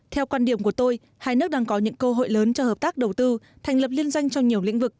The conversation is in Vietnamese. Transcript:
theo quan điểm của tôi hai nước đang có những cơ hội lớn cho hợp tác đầu tư thành lập liên doanh trong nhiều lĩnh vực